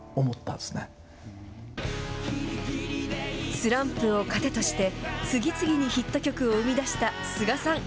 スランプを糧として、次々にヒット曲を生み出したスガさん。